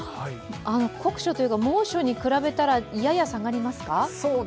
酷暑というか、猛暑に比べたらやや下がりますか？